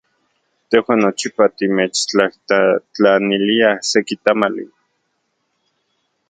Tejuan nochipa timechtlajtlaniliaj seki tamali.